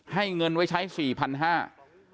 เงินไว้ใช้๔๕๐๐บาท